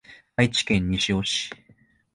愛知県西尾市